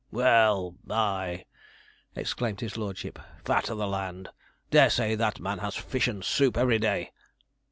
'Well, aye!' exclaimed his lordship; 'fat o' the land dare say that man has fish and soup every day.'